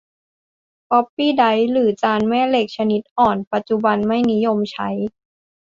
ฟล็อปปี้ไดรฟ์ หรือจานแม่เหล็กชนิดอ่อน ปัจจุบันไม่นิยมใช้